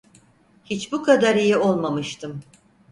Hiç bu kadar iyi olmamıştım.